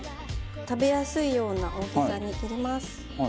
食べやすいような大きさに切ります。